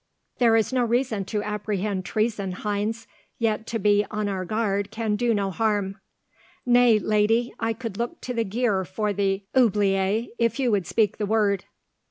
"There is no reason to apprehend treason, Heinz, yet to be on our guard can do no harm." "Nay, lady, I could look to the gear for the oubliette if you would speak the word."